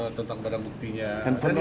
itu bukan barang bukti steve